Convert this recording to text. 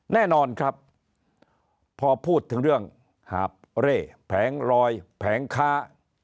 แน่นอนครับพอพูดถึงเรื่องหาบเร่แผงรอยแผงค้า